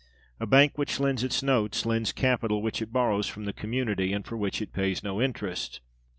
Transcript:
A bank which lends its notes lends capital which it borrows from the community, and for which it pays no interest.